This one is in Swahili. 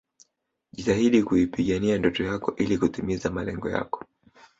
Jitahidi kuipigania ndoto yako ili kutimiza malengo yako